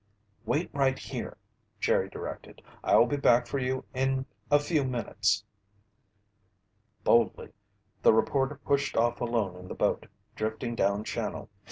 "Wait right here!" Jerry directed. "I'll be back for you in a few minutes!" Boldly the reporter pushed off alone in the boat, drifting down channel.